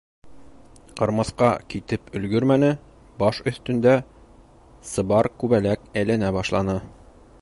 Ҡырмыҫҡа китеп өлгөрмәне, баш өҫтөндә сыбар Күбәләк әйләнә башланы.